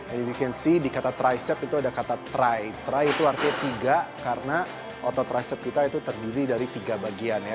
as you can see di kata tricep itu ada kata tri tri itu artinya tiga karena otot tricep kita itu terdiri dari tiga bagian ya